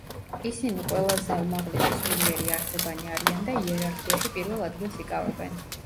ისინი ყველაზე უმაღლესი სულიერი არსებანი არიან და იერარქიაში პირველ ადგილს იკავებენ.